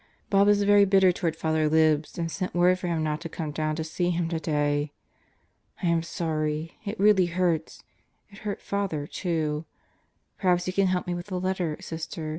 Bob is very bitter toward Father Libs and sent word for him not to come down to see him today. I am sorry. It really hurts. It hurt Father, too. ... Perhaps you can help with a letter, Sister.